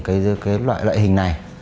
cái loại loại hình này